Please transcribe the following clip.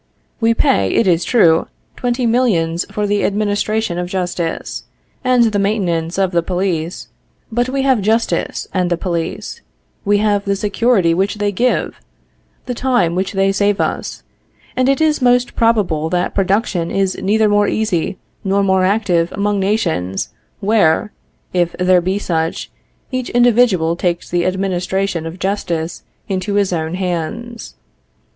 We pay, it is true, twenty millions for the administration of justice, and the maintenance of the police, but we have justice and the police; we have the security which they give, the time which they save for us; and it is most probable that production is neither more easy nor more active among nations, where (if there be such) each individual takes the administration of justice into his own hands.